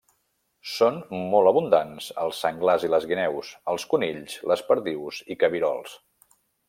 Són molt abundants els senglars i les guineus, els conills, les perdius i cabirols.